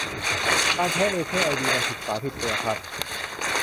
การใช้เลเซอร์ไอดีมันผิดฝาผิดตัวครับ